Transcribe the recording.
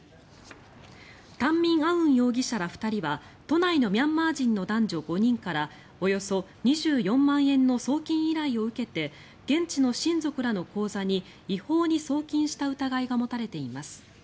タンミンアウン容疑者ら２人は都内のミャンマー人の男女５人からおよそ２４万円の送金依頼を受けて現地の親族らの口座に違法に送金した疑いが持たれています。